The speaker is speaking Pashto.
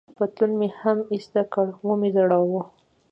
پتلون مې هم ایسته کړ، و مې ځړاوه.